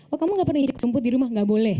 oh kamu nggak pernah injak rumput di rumah nggak boleh